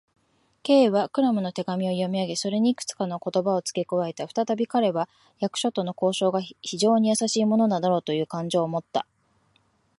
Ｋ はクラムの手紙を読みあげ、それにいくつかの言葉をつけ加えた。ふたたび彼は、役所との交渉が非常にやさしいものなのだという感情をもった。